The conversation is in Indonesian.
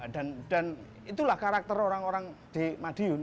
dan itulah karakter orang orang di madiun